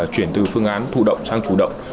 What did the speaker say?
chuyển từ phương án thụ động sang chủ động